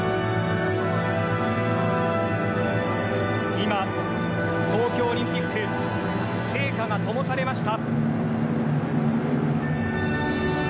今、東京オリンピック聖火がともされました。